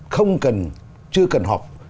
không cần chưa cần học